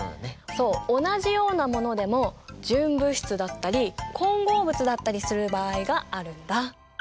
そう同じようなものでも純物質だったり混合物だったりする場合があるんだ。